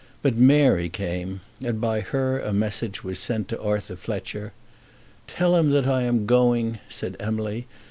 But Mary came, and by her a message was sent to Arthur Fletcher. "Tell him that I am going," said Emily.